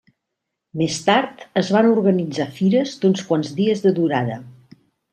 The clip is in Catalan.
Més tard es van organitzar fires d'uns quants dies de durada.